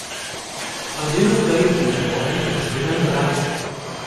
I do not blame you for anything; remember that.